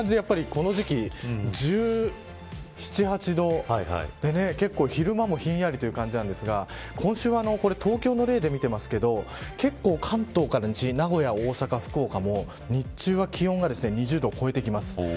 この時期、１７、１８度結構、昼間もひんやりという感じなんですが今週は東京の例で見てますけど結構、関東から西名古屋、大阪、福岡も日中は気温が２０度を超えてきます。